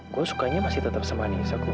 gue sukanya masih tetap sama anissa kum